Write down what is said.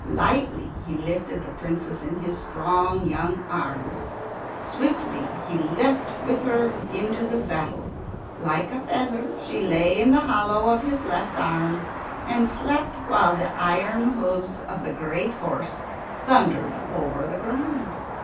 Lightly he lifted the Princess in his strong young arms. Swiftly he leapt with her into the saddle. Like a feather she lay in the hollow of his left arm, and slept while the iron hoofs of the great horse thundered over the ground.